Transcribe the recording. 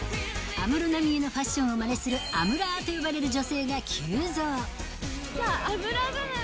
安室奈美恵のファッションをまねするアムラーと呼ばれる女性アムラーじゃない。